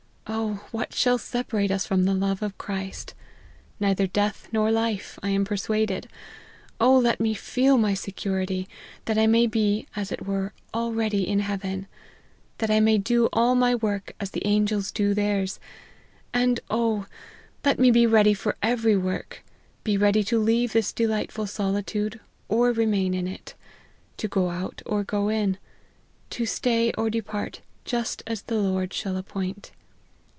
Oh ! what shall separate us from the love of Christ 1 Neither death nor life, I am persuaded. Oh ! let me feel my security, that 1 may be, as it were, already in heaven ; that I may do all my work as the angels do theirs ; .and oh ! let me be ready for every work ! be ready to leave this delightful solitude, or remain in it ; to go out, or go in ; to stay, or depart, just as the Lord shall appoint.